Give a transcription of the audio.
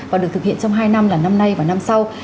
và được thực hiện trong hai năm là năm nay và năm sau